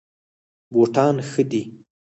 بوټان ښه دي.